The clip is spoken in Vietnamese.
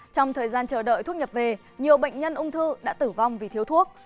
trong thời gian chờ đợi thuốc nhập về nhiều bệnh nhân ung thư đã tử vong vì thiếu thuốc